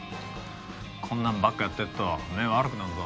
こんなのばっかやってると目ぇ悪くなるぞ。